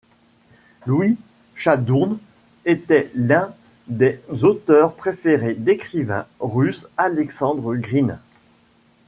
Louis Chadourne était l'un des auteurs préférés d'écrivain russe Alexandre Grine.